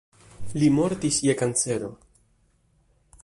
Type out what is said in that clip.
Li mortis je kancero.